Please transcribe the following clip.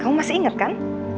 kamu masih inget kan